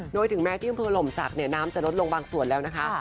โดยถึงแม้ที่อำเภอหล่มศักดิ์น้ำจะลดลงบางส่วนแล้วนะคะ